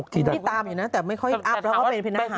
ติดตามอยู่นะแต่ไม่ค่อยอัพแล้วเป็นเพียงหน้าหา